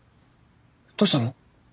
どうしたの？